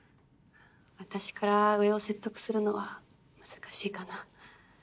私から上を説得するのは難しいかな。